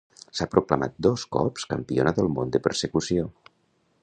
S'ha proclamat dos cops Campiona del món de persecució.